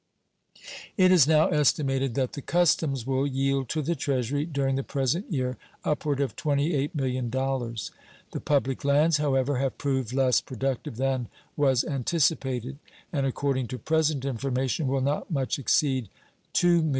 It is now estimated that the customs will yield to the Treasury during the present year upward of $28,000,000. The public lands, however, have proved less productive than was anticipated, and according to present information will not much exceed $2,000,000.